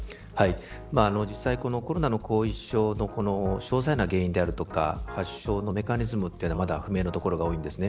実際このコロナの後遺症の詳細な原因であるとか発症のメカニズムはまだ不明なところが多いです。